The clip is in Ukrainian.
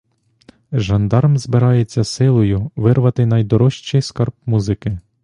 Жандарм збирається силою вирвати найдорожчий скарб музики.